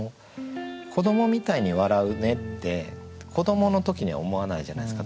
「子どもみたいに笑ふね」って子どもの時には思わないじゃないですか多分。